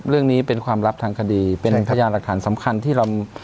เรื่องนี้เป็นความลับทางคดีเป็นพยานหลักฐานสำคัญที่เรา